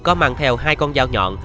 có mang theo hai con dao nhọn